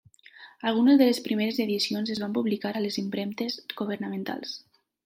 Algunes de les primeres edicions es van publicar a les impremtes governamentals.